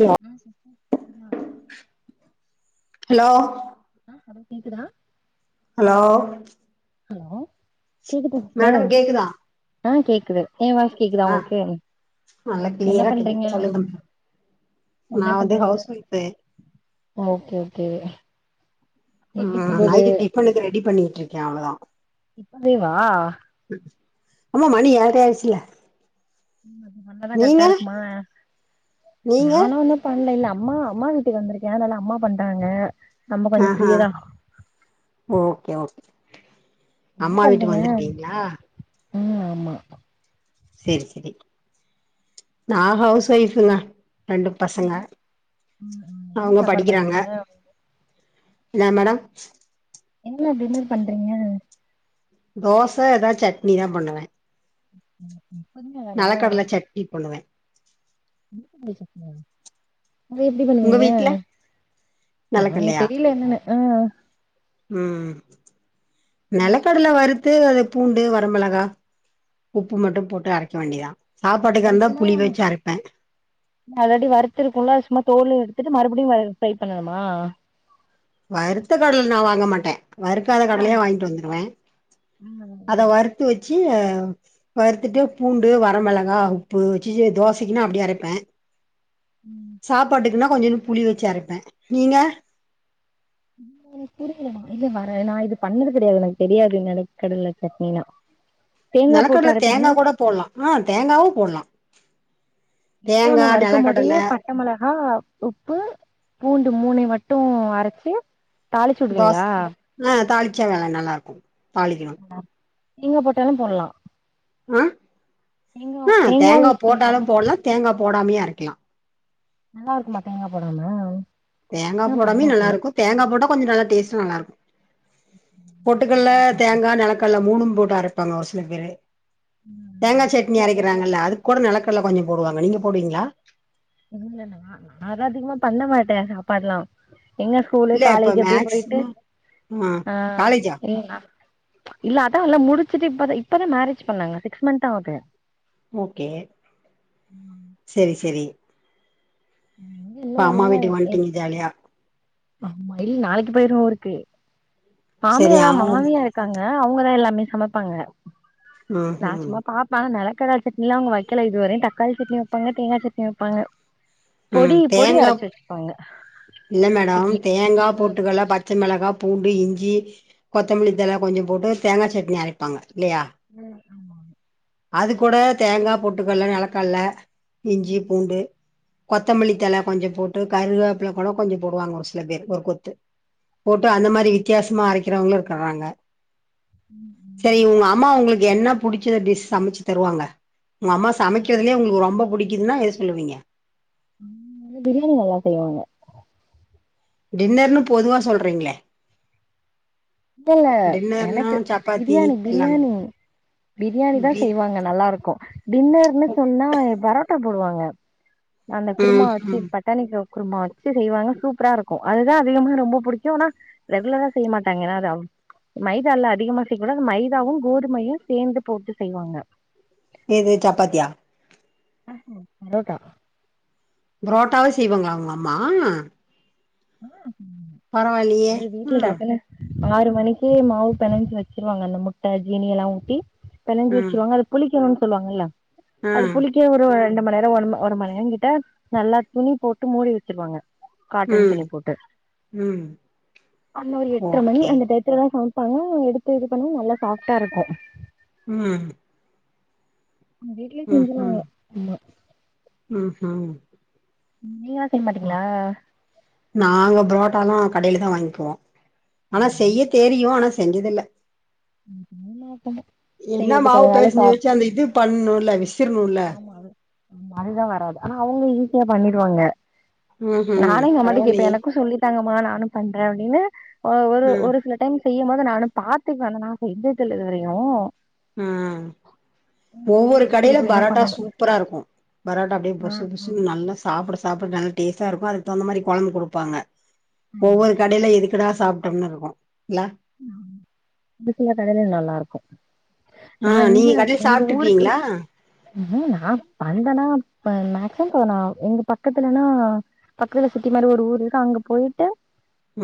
Hello ம் hello ஆ hello கேக்குதா ஹலோ ஹலோ கேக்குதா மேடம் சிஸ்டர் கேக்குதா ஆ கேக்குது என் வாய்ஸ் கேக்குதா ஆ உங்களுக்கு நல்லா என்ன கிளியரா பண்றீங்க என்ன நான் வந்து பண்றீங்க ஹவுஸ் ஒய்ஃப்பு ஓகே ஓகே எப்டி ம் போகுது நைட்டு டிஃபனுக்கு ரெடி பண்ணிட்ருக்கே அவ்ளதா லீவா அம்மா மணி ஏழ்ர ஆயிடுச்சுல அது வந்தாதா நீங்க கரெக்ட்டா இருக்குமா நீங்க பண்ண இல்ல அம்மா அம்மா வீட்டுக்கு வந்திருக்கே அனால அம்மா பண்றாங்க நம்ம கொஞ்சோ ஆஹா ஃப்ரீயாதா ஓகே ஓகே என்ன அம்மா வீட்டுக்கு பண்றீங்க வந்திருக்கீங்களா ம் ஆமா செரி செரி நா ஹவுஸ் ஒய்ஃபுங்க ரெண்டு பசங்க என்ன ம் ம், என்ன அவுங்க சாப்பாடு படிக்கிறாங்க பண்றீங்க என்ன மேடம் என்ன டின்னர் பண்றீங்க தோச எதா சட்னி தா பண்ணுவ பொறுமையா வேல நலக்கடல சட்னி [unintelligible] [unintelligible] அத எப்டி உங்க பண்ணுவீங்க வீட்ல நாங்க நலக்கடலையா தெரில என்னன்னு ஆ ம் நலக்கடல ம் வறுத்து அத பூண்டு வர மெளகா உப்பு மட்டு போட்டு அரைக்க வேண்டிதா மறுச்சினா அல்ரெடி வறுத்துருக்குல்ல சும்மா தோல் எடுத்துட்டு மறுபுடியு வ ஃப்ரை பண்ணணுமா வறுத்த கட்ல நா வாங்க மாட்டே வறுக்காத கடலையா வாங்கிட்டு வந்துடுவே அத ம் வறுத்து வச்சு வறுத்துட்டு பூண்டு வர மெளகா உப்பு வச்சுச்சு தோசைக்குனா அப்டி அரைப்பே ம் சாப்பாட்டுக்குன்னா கொஞ்சோன்டு புளி வச்சு அரைப்பே நீங்க இது வர நா இது பண்ணது கெடயாது எனக்கு தெரியாது நெலக்கடல சட்னிலா நெலக்கட்ல தேங்கா கூட போட்லா ஆ தேங்காவும் போட்லா தேங்கா நிலக்கடலை பச்ச மொளகா உப்பு பூண்டு மூனை மட்டும் அரைச்சு தோச தாளிச்சடுவீங்களா ஆ தாளிச்சா வேலை நல்லா இருக்கும் தாளிக்கணும் அ நீங்க போட்டாலும் போடலாம் ஆஹ ஆஹ தேங்காவும் தேங்காய் யூஸ் போட்டாலு பண்ணிக்கலாமா போடலா தேங்காய் போடாமையு ஆரைகலா நல்லா இருக்குமா தேங்க போடாம தேங்கா நா போடமே நல்ல பண்ணதில்ல இருக்கு தேங்கா போட்ட கொஞ்சோ நல்ல டேஸ்ட்டா நல்லா இருக்கு பொட்டுக்கல்ல பாப்போ தேங்காய் நிலக்கல்லல மூணும் போட்டா அரைப்பாங்க ஒரு சில பேரு தேங்காய் சட்னி பச்சையாவே அப்டியே அரைக்கிறாங்கல்ல அரச்சு அது கூட நிலக்கல்ல கொஞ்சோ போடுவாங்க நீங்க போடுவீங்களா என்ன நா நாலா அதிகமா பண்ண மாட்டே சாப்பாடுல்லா எங்க ஸ்கூலு இல்ல இப்ப காலேஜ் அப்படியே போயிட்டு மேக்சிமம் ஆ ஆஹ் காலேஜா இல்ல இல்லாட்டா இல்ல முடிச்சுட்டு இப்பதா இப்பதா மேரேஜ் பண்ணாங்க சிக்ஸ் மந்த்தா ஆகுது ஓகே சரி சரி அப்ப இன்னு அம்மா ஒழுங்கா வீட்டு வந்துட்டீங்க ஜாலியா ஆமா இல் நாளைக்கு போயிருவ ஊருக்கு செரி மாமியாரா ஆவு மாமியா இருக்காங்க அவுங்கதா எல்லாமே சமைப்பாங்க ம் நா ம் சும்மா பாப் ஆனா நிலக்கடா சட்னி ல்லா அவங்க வைக்கல இது வரக்கும் தக்காளி சட்னி வைப்பங்க தேங்காய் சட்னி வைப்பாங்க ம் பொடி பொடி தேங்கா அரச்சு வச்சுப்பாங்க இல்ல மேடம் இட்லிக்கு தேங்கா பொட்டுக்கல்ல ப பச்ச மிளகா பூண்டு இஞ்சி கொத்தமல்லி இதெல்லா கொஞ்ச போட்டு தேங்கா சட்னி அரைப்பாங்க இல்லையா அ ஆமா அது கூட தேங்கா பொட்டுக்கல்ல நெலக்கல்ல இஞ்சி ம் பூண்டு கொத்தமல்லி தல கொஞ்ச போட்டு கருவேப்புல கூட கொஞ்ச போடுவாங்க ஒரு சில பேர் ஒரு கொத்து போட்டு அந்த மாரி வித்தியாசமா அரைக்கிறவங்களு இருக்கறாங்க ம் ம் அ இவுங்க அம்மா உங்களுக்கு என்ன புடிச்சத டிஸ் சமைச்சு தருவாங்க உங்க அம்மா சமைக்கிறதுலேயே உங்க ரொம்ப பிடிக்குதுன்னா எது சொல்லுவீங்க பிரியாணி நல்லா செய்வாங்க டின்னர்னு பொதுவா சொல்றீங்ளே இல்லல்ல டின்னர்னா எனக்கு சப்பாத்தி பிரியாணி எல்லாமே பிரியாணி பிரியாணி தா பீஃப் செய்வாங்க நல்லா இருக்கும் டின்னர்னு சொன்னா பரோட்டா போடுவாங்க அந்த குருமா ம் வச்சு ம் ப தனிக்கோ குருமா வச்சு செய்வாங்க சூப்பரா இருக்கும் அதுதான் அதிகமா ரொம்ப பிடிக்கும் ஆனா ரெகுலரா செய்ய மாட்டாங்க என்ன மைதால்ல அதிகமா செய்ய கூடாது மைதாவும் கோதுமையும் சேந்து போட்டு செய்வாங்க எது சப்பாத்தியா இதோடா புரோட்டாவே செய்வாங்கலா உங்க அம்மா ஆ பரவாயில்லையே அது வீட்ட ம் டாக்கன ஆறு மணிக்கு மாவு பிணைஞ்சு வச்சிருவாங்க அந்த முட்ட ஜீனி எல்லாம் ஊட்டி பிணஞ்சு ம் வச்சுருவாங்க அது புளிக்கணும்னு சொல்லுவாங்கல்ல அது ம் புளி அ ஒரு ரெண்டு மணி நேரம் ஒ ஒரு மணி நேரம் கிட்ட நல்லா துணி போட்டு மூடி வச்சுடுவாங்க காட்டன் ம் துணி போட்டு ம் அந்த ஒரு எட்டரை மணி ஓகே அந்த [unintelligible] சமைப்பாங்க எடுத்து இது பண்ணா நல்லா சாஃப்டா இருக்கும் உம் வீட்லயே செஞ்சுருவாங்க உம்ம் நீங்ளா செய்ய மாட்டீங்ளா நாங்க புரோட்டானா கடையில தா வாங்கிப்வோ ஆனா செய்ய தெரியு ஆனா செஞ்சதில்ல என்ன செய்யறதுக்கு மாவு அதனால பேசெஞ்சு சாப் வெச்சு அந்த இது பண்ணுல விஸ்ஸுருணுல ஆமா அது அதுதா வராது ஆனா அவுங்க ஈஸியா பண்ணிடுவாங்க ம் ம் நானு எங்க அம்மாட்ட கேப்ப பரவாயில்லையே எனக்கு சொல்லி தாங்கமா நானு பண்ற அப்டின்னு ஆ ஓ ஒரு ம் ஒரு சில டைம் செய்யும் போது நானு பாத்துருக்க ஆனா நா செஞ்சதில்ல இதுவரயு ம் இனிமே ஒவ்வொரு எங்க வீட்டுக்கு கடைல பரா போய்தா பரோட்டா பண்ணணு சூப்பரா இருக்கு பரோட்டா அப்டியே ஆ புஸ்சு ஆ புஸ்சுன்னு நல்லா சாப்புட சாப்புட நல்ல டேஸ்ட்டா இருக்கு அதுக்கு தகுந்த மாரி கொழம்பு குடுப்பாங்க ஆமா ஒவ்வொரு கடையில இதுக் எதுக்கடா சாப்ட்டம்னு இருக்கு இல்ல ம் இதுக்குலா கடைல நல்லா இருக்கு ஆ நா இங்க நீங்க கடையில எங்க ஊருக்கு சாப்ட்டுருக்கீங்களா ம் நா பண்னேனா ம மக்சிமம் தோ நா உங்க பக்கத்துலனா பக்கத்துல சிட்டி மாரி ஒரு ஊர் இருக்கு அங்க போயிட்டு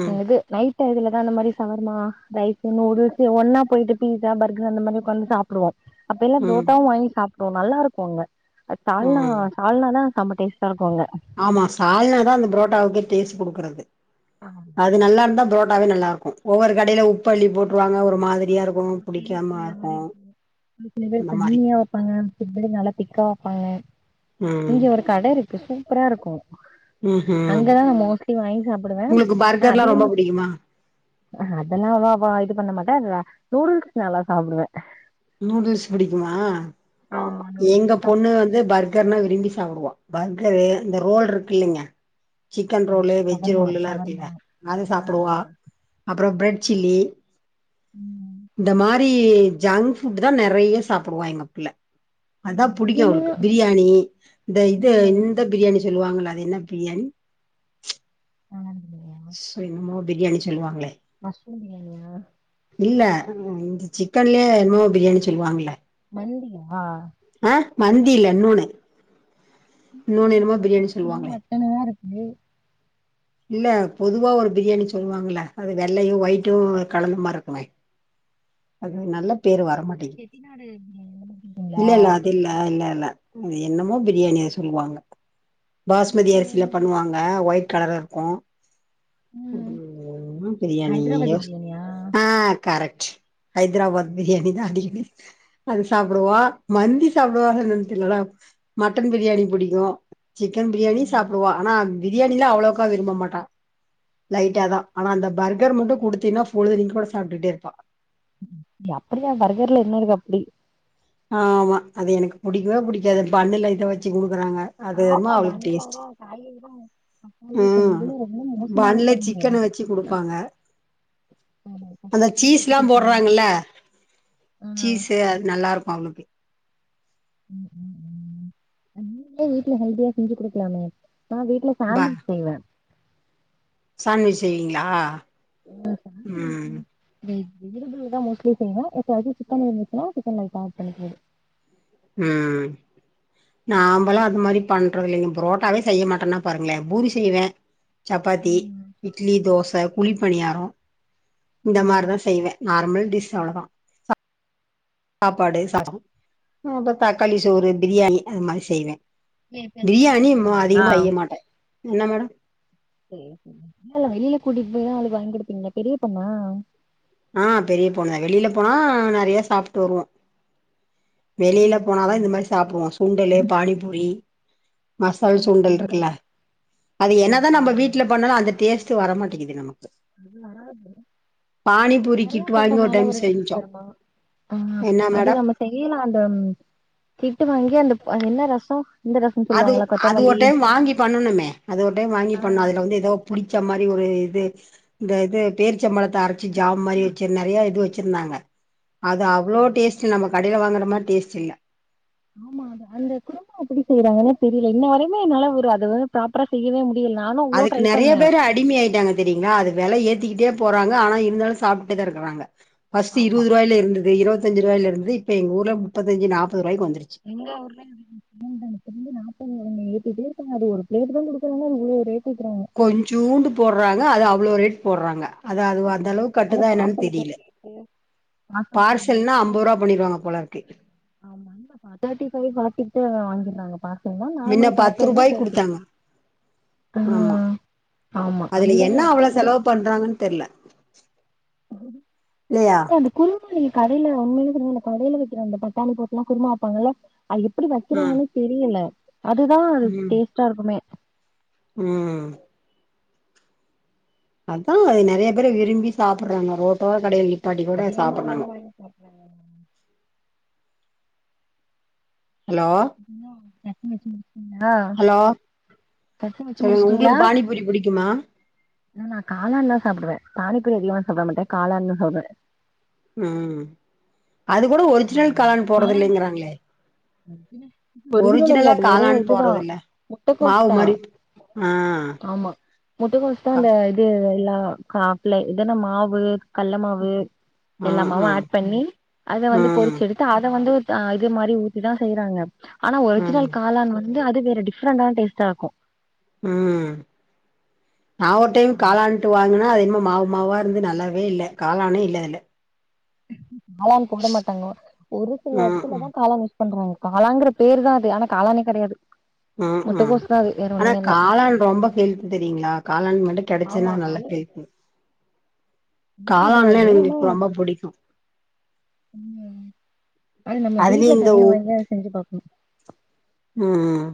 ம் இது நைட் டைத்துலதா அந்த மாரி சமைப் ஆமா ரைஸு நூடுல்ஸ்சு ஒன்னா போய்ட்டு பீஸ்ஸா பர்கர் அந்த மாரி உக்காந்து சாப்டுவோ அப்ப எல்லா ம் ப்ரோட்டாவு வாங்கி சாப்ட்டோ நல்லா இருக்கு அங்க சால்னா ம் சால்னாதா சம டேஸ்ட்டா இருக்கு அங்க ஆமா சால்னாதா அந்த புரோட்டாவுக்கே டேஸ்ட் குடுக்கறது ஆ, அது நல்லா இருந்தா புரோட்டாவே நல்லாருக்கு ஒவ்வொரு கடையில உப்பள்ளி போட்ருவாங்க ஒரு மாதிரியா இருக்கு புடிக்காம இருக்கு சில பேர் அந்த மாரி தண்ணியா வெப்பாங்க சில பேர் நல்லா திக்கா வெப்பாங்க ம் இங்க ஒரு கட இருக்கு சூப்பரா இருக்கு ம்ஹும் அங்கதா நா மோஸ்ட்லி வாங்கி சாப்புடுவ உங்களுக்கு நா பர்கர்லா ரொம்ப அதிகமா புடிக்குமா ஆ அதெல்லா அவ்வாவா இது பண்ண மாட்டா நூடுல்ஸ் நல்லா சாப்டுவ நூடுல்ஸ் புடிக்குமா ஆமா நூடுல்ஸ் எங்க தா பொண்ணு வந்து பர் கர்னா விரும்பி சாப்டுவா பர்கரு இந்த ரோல் இருக்கில்லைங்க சிக்கன் ரோலு வெஜ்ஜூ சவர்மா ரோல்ல்லா இருக்குல்ல சவர்மா அது ஆ ஆ சாப்டுவா அப்றோ ப்ரெட் சில்லி ம் இந்த மாரி ஜங் ஃபுட்டுதா நெறையா சாப்புடுவா எங்க புள்ள அதா புடிக்கு அதிகமா அவுளுக்கு பீ பிரியாணி இந்த இது ம் இந்த பிரியாணி சொல்லுவாங்கல்ல அது என்ன பிரியாணி [unintelligible] சோ என்னமோ பிரியாணி சொல்லுவாங்களே மஸ்ரூம் பிரியாணியா இல்ல சிக்கன்லே என்னமோ பிரியாணி சொல்வாங்கல்ல மந்தியா ஆ மந்தி இல்ல இன்னோன்னு இன்னோன்னு என்னமோ பிரியாணி சொல்லுவாங்களே த்தெனவா இருக்கு இல்ல பொதுவா ஒரு பிரியாணி சொல்லுவாங்கல்ல அது வெள்ளயு ஒயிட்டு கலந்தமார் இருக்குமே அது ஒரு நல்ல பேரு வர மாட்டி செட்டிநாடு பிரியாணிலா செய்வீங்ளா ஆ இல்ல இல்ல அது என்னமோ பிரியாணியா சொல்லுவாங்க பாஸ்மதி அரிசி சில பண்ணுவாங்க ஒயிட் கலர்ல இருக்கு ம் [unintelligible] என்னா பிரியாணி ஹைதராபாதி யோஸ் பிரியாணியா ஆ கரெக்ட் ஹைதராபாத் பிரியாணி தா அடிக்கடி அது சாப்டுவா மந்தி சாப்டுவா ம் ஹெல்தி நல்லா மட்டன் பிரியாணி பிடிக்கு சிக்கன் ம் பிரியாணி ம் சாப்டுவா ஆனா பிரியாணியிலா அவ்ளோக்கா விரும்ப மாட்டா லைட்டா ம் தா ஆனா அந்த பர்கர் மட்டு குடுத்தீன்னா பொழுதன்னைக்கு கூட சாப்டுட்டே இருப்பா அப்டி தா பர்கர்ல என்ன இருக்கு அப்டி ஆ ஆமா அது எனக்கு ப புடிக்கவே புடிக்காது பண்ணுல இதத வச்சு குடுக்குறாங்க அது அப்போ என்னமோ அவளுக்கு அங்கலா டேஸ்ட் ரொம்ப மோசமா தா இருப்பாங்க சிக்கனு வச்சி குடுப்பாங்க ஆமா அந்த பசங்க பண்ணி வச்சு சீஸ்லா குடுப்பாங்க போட்றாங்கல ஆ சீஸு அது நல்லாருக் அவுனுக்கு ம் ம் ம் நீங்ளே வீட்ல ஹெல்தியா செஞ்சி குடுக்லாமே நா வீட்ல பா சாண்ட்விச் செய்வே சாண்ட்விச் செய்வீங்களா என்னா ம் [unintelligible] வெஜ் வெஜிடபிள்ல தா மோஸ்ட்லியா செய்ணு அப்ப அது சிக்கன் இருந்துச்சுனா சிக்க லைட்டா ஆட் பண்ணிகிறது ம் நாமலா அது மாரி பண்றோ இல்லிங்க புரோட்டாவே செய்ய மாட்டேனா பாருங்களே பூரி செய்வே சப்பாத்தி ம் இட்லி தோச குளி பணியாரோ இந்த ம் மாரிதா செய்வே நார்மல் டிஷ் அவ்ளதா சாப்பாடு சாதோ அப்றோ தக்காளி சோறு பிரியாணி அது மாரி செய்வே ஏ எப்பயாச்சு வெளில பிரியாணி மு போவீங்களா அதிகமா செய்ய மாட்டே என்னா மேம் சேரி வெளியில கூடி போய்தா அவளுக்கு வாங்கிடுப்பீங்களா பெரிய பொண்ணா ஆ பெரிய பொண்ணு வெளியில போனா நெறைய சாப்ட்டு வருவோ வெளியில ம் போனாதா இந்த மாரி ம் சாப்புடுவோ சுண்டலு பானிபூரி மசால் சுண்டல் ம். இருக்குல அது ஆமா என்னதா நம்ம கமலாமே வீட்ல பண்ணாலு அந்த டேஸ்ட் ட்டு வர மாட்டேங்கிது நமக்கு அது வராது அங்க பானிபூரி நெறைய கிட் வாங்கி பண்றனால டைம் ஒரு டேஸ் செஞ்சோ வருமா ஆ என்ன அது மேடம் தா இல்ல செய்லா அந்த சிக்கன் வாங்கி அந்தப் என்ன ரசோ இந்த ரசம் அது சொல்லுவாங்களா அது கொத்தமல்லி ஒரு டைம் வாங்கி பண்ணணுமே அது ஒரு டைம் வாங்கி ஆ பண்ணோ அதுல வந்து எதோ புடிச்ச மாரி ஒரு இது இந்த இது பேரிச்சம்பழத்த அரச்சி ஜாம் மாரி வச்சி நெறையா இது வச்சிர்ந்தாங்க அது அவ்ளோ டேஸ் சி நம்ம கடைல வாங்ற மாரி டேஸ்ட் இல்ல ஆமா அத அந்த குடும்ப அப்டி செய்யறாங்கன்னே தெரியல இன்ன வரையுமே என்னால ஒரு அத வந்து ப்ராப்பர் செய்யவே மு இதுல நானு அவ்ளோ அதுக்கு ட்ரை நெறைய பண்ணே பேரு அடிமை ஆயிட்டாங்க தெரியுங்ளா அது வெல ஏத்திக்கிட்டே போறாங்க ஆனா இருந்தாலு சாப்ட்டு தா இருக்குறாங்க ஃபர்ஸ்ட்டு ஆமா இருவதுருவாய்ல இருந்தது இருவத்தஞ்சி ரூவாயில இருந்தது இப்ப எங்க ஊர்லா முப்பத்தஞ்சு நாப்பதுருவாய்க்கு வந்துருச்சு எங்க ஊர்லயு [unintelligible] இருக்கங்க அது ஒரு பிளேட்டு தா குடுக்குறாங்கா இ்வ்ளோ ரேட் ஏத்துறாங்க கொஞ்சூண்டு போட்றாங்க அது அவ்ளோ ரேட் போட்றாங்க அதா அதுவு அந்த ஆமா அளவுக் அது கட்டுதா என்னன் பார்சல்க்கு ஒரு தெரில ரேட்டு பார்சல்க்கு ஒரு பார்சல்ன்னா ரேட்டு அம்பதுர்வா பண்ணிருவாங்க போலர்க்கு ஆமா [unintelligible] தேர்டி ஃபைவ் பாத்துட்டே அவங்க வாங்கிர்றாங்க பார்சல்னா மின்ன நார்மலா பத்து சாப்ட்டதுனா ரூபாய்க்கு தேர்டி குடுத்தாங்க ஆ ஆமா ஆமா அந்த இது அப்ப எப்டி பண்றாங்கன் தெர்ல இல்லயா குருபமா நீங்க கடையில உண்மையிலேங்க அ இந்த கடையில வைக்கிற அந்த பட்டானி போட்டு எல்லா குருமா வைப்பாங்கல்ல அது எப்டி ம் வக்கிறாங்கனே தெரியல அதுதா ம் டேஸ்ட்டா இருக்குமே ம் அதா நெறைய பேரு விரும்பி சாப்பர்றாங்க ரோட் ஓர கடையில நிப்பாட்டி குட சாப்பட்றாங்க என்ன‌ சாப்பறாங்க ஹலோ இன்னும் சட்னி வச்சு முடிச்சீங்களா ஹலோ சொல்லுங்க உங்களுக்கு பானிபூரி பிடிக்குமா ந நான் காளான் த சாப்டுவேன் பானிபூரி அதிகமா சாப்பிட மாட்டேன் காளான்னா சாப்படுவேன் ம் அது கூட ஒரிஜினல் காளான் போறது இல்லைங்கிறாங்களே ஒரிஜினல் இல்ல ஒரிஜினலா அது வெறும் காளான் போறது இதுதான் இல்ல முட்டைக்கோஸ் மாவு தான் மாரி ஆ ஆமா முட்டக்கோஸ் தா க அந்த இது எல்லா காப்பிள்ள இதன்னா மாவு கல்ல மாவு ஆ எல்லாமாவு ஆ அட் பண்ணி அத வந்து ம் பொரிச்சு எடுத் து அத வந்து த இது மாரி ஊத்திதா செய்றாங்க ஆனா ம் ஒரிஜினல் காளான் வந் இங்க அது வேற டிஃப்ரண்டான டேஸ்டா இருக்கு ம் நான் ஒரு டைம் காளாண்டுட்டு வாங்கன்னா அது என்மோ மாவு மாவா வந்து நல்லாவே இல்ல காளானே இல்ல அதுல காளான் போட மாட்டாங்க ஒரு சில ஆ இடத்துலதா ஆ காளான் பண்றாங்க காளாங்கிற பேரு தா அது ஆனா காளானே கெடையாது ஹம் உம் முட்டக்கோஸ் தா அது வேற ஆனா ஒண்ணுமே இல்ல காளான் ரொம்ப ஹெல்த் தெரியுங்களா காளான் மட்டும் ஆமா கிடைச்சன்னா நல்ல ஹெல்ப் காளான்லா விடிதாவே எங்களுக்கு ஹோம் ரொம்ப புடிக்கு உ அது நம்ம அதுலயு வீட்டுல இந்த தனியா ஊ வாங்கி அத செஞ்சு பாக்கணும் ம் ம் ம்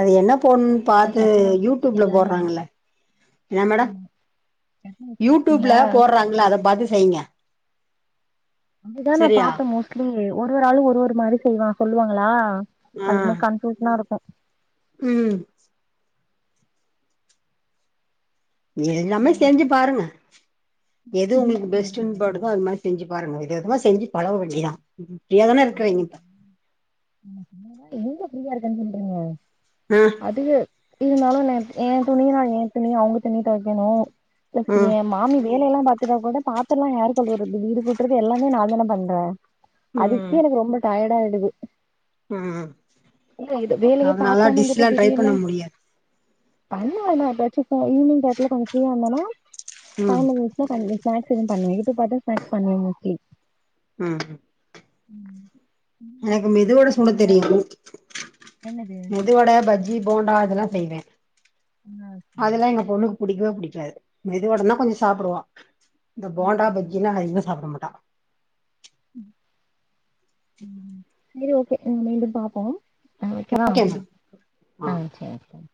அது என்ன போடணும்ன்னு பாத்து சட்னிலா வச்சு யூடியூப்ல முடிச்சிட்டீங்களா போடுறாங்கள்ல என்ன மேடம் ஆமா சட்னி வச்சு யூடியூப்ல முடிச்சிட்டீங்களா போடுறாங்கள அதை பாத்து செய்யுங்க அதுதா நா சரியா பாப்ப மோஸ்ட்லி ஒரு ஒரு ஆளு ஒரு ஒரு மாரி செய்வா சொல்லுவாங்களா ஆ அதுக்குமே கன் டியுஷனா இருக்கும் ம் நீங்க எல்லாமே ம். செஞ்சு பாருங்க எது உங்களுக்கு வீட்ல இருக்கு பெஸ்ட்டுன் எனக்கு. படுதோ அது மாரி செஞ்சு பாருங்க வித விதமா செஞ்சு பழக வேண்டிதான் ஃப்ரீயாதானே இருக்குறீங்க இப்ப அவ்ளோதான். எங்க ஃப்ரீயா இருக்குன் சொல்றீங்க ஆ அதுக்கு இருந்தாலும் நா என் ஏன் துணினா என் துணி அவங்க துணி துவைக்கணும் ப்ளஸ் ஆ ஏ மாமி வேலையெல்லா பாத்துட்டா கூட பாத்தரல்லா யார் கழுவுறது வீடு கூட்டுறது எல்லாமே நா தான பண்ண அ ம் அதுக்கே எனக்கு ரொம்ப டயர்ட் ஆய்டுது ம் இ இது வேலை அதனால பாக்காம இருந்துட்டு டிஷ்லா ட்ரை திடீர்ணு பண்ண முடியாது அம்மா என்ன எப்பயாச்சு போ ஈவ்னிங் டைத்துல கொஞ்சோ ஃப்ரீயா இருந்தனா ப ம் நா கொஞ்சோ ஸ்நக்ஸ் எது பண்ணுவ இட்டு பாதா ஸ்நக்ஸ் பண்ணுவ நக்கி ம் ம் ம் சரி, எனக்கு மெதுவடை சுட பாருங்க தெரியு என்னது மெது வடை பஜ்ஜி போண்டா இதெல்லாம் செய்வேன் இன்னது அதெல்லா எங்க பொண்ணுக்கு புடிக்கவே பிடிக்காது மெது வடன்னா கொஞ்சோ சாப்டுவா இந்த ம், போண்டா ம். பஜ் என்னனா இவ சாப்பிட மாட்டா ம் சரி ஓகே மீண்டும் பாப்போ ஆ வைக்கவா ஓகே மேம் ஆ ஆஹ் சரி